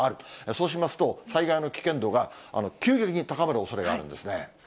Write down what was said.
そうしますと、災害の危険度が急激に高まるおそれがあるんですね。